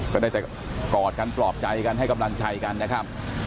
ก็ได้แต่กอดกันปลอบใจกันให้กำลังใจกันนะครับ